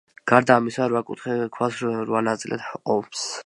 გარდა ამისა, რვა კუთხე ქვას რვა ნაწილად ჰყოფს.